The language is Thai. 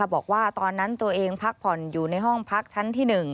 บอกว่าตอนนั้นตัวเองพักผ่อนอยู่ในห้องพักชั้นที่๑